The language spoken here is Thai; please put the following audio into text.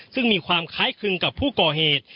ซึ่งมีความคล้ายคลึงกับผู้ก่อเหตุ